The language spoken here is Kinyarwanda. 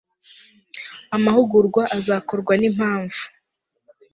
amahugurwa azakorwa n impamvu